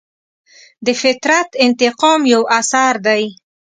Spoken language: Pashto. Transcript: د فطرت انتقام یو اثر دی.